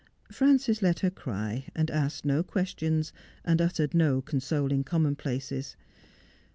Frances let her cry, and asked no questions, and uttered no consoling commonplaces.